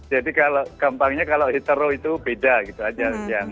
jadi kalau kampangnya kalau hetero itu beda gitu aja